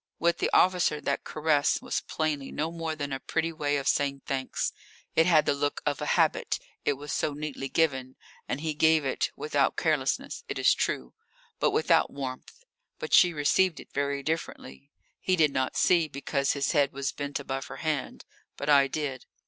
With the officer that caress was plainly no more than a pretty way of saying thanks; it had the look of a habit, it was so neatly given, and he gave it without carelessness, it is true, but without warmth. But she received it very differently. He did not see, because his head was bent above her hand, but I did.